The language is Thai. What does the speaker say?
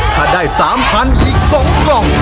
ถ้าได้๓๐๐๐อีก๒กล่อง